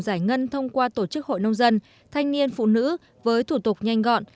giải ngân thông qua tổ chức hội nông dân thanh niên phụ nữ với thủ tục nhanh gọn